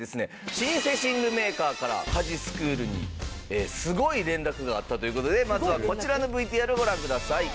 老舗寝具メーカーから家事スクールにすごい連絡があったという事でまずはこちらのＶＴＲをご覧ください。